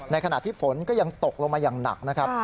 ขณะที่ฝนก็ยังตกลงมาอย่างหนักนะครับ